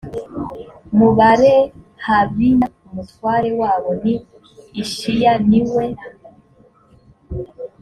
mu barehabiya umutware wabo ni ishiya ni we